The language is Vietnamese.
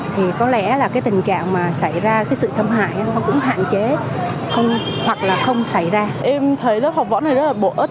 thì có lẽ tình trạng xảy ra sự xâm hại cũng hạn chế hoặc không xảy ra